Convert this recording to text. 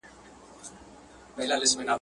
فقر بې مائې کسب دئ.